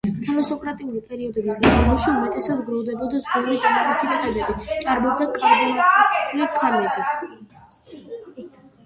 თალასოკრატიული პერიოდების განმავლობაში უმეტესად გროვდებოდა ზღვიური დანალექი წყებები, ჭარბობდა კარბონატული ქანები.